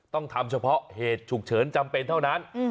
ต้องทำเฉพาะเหตุฉุกเฉินจำเป็นเท่านั้น